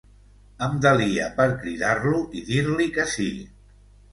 Em delia per cridar-lo i dir-li que sí.